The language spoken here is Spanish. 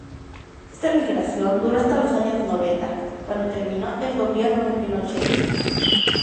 Esta migración duró hasta los años noventa, cuando terminó el gobierno de Pinochet.